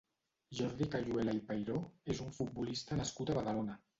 Jordi Cayuela i Peiró és un futbolista nascut a Badalona.